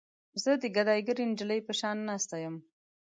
زه د ګداګرې نجلۍ په شان ناسته یم.